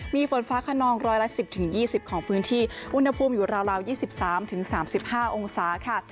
มีฝนฟ้าขนองรอยละสิบถึงยี่สิบของพื้นที่อุณหภูมิอยู่ราวราวยี่สิบสามถึงสามสิบห้าองศาค่ะ